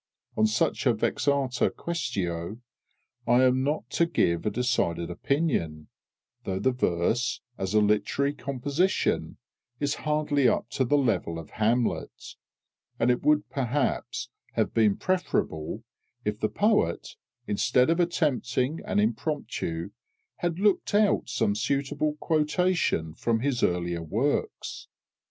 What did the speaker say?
On such a vexata quæstio I am not to give a decided opinion, though the verse, as a literary composition, is hardly up to the level of Hamlet, and it would perhaps have been preferable if the poet, instead of attempting an impromptu, had looked out some suitable quotation from his earlier works.